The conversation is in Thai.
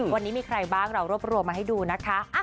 วันนี้มีใครบ้างเรารวบรวมมาให้ดูนะคะ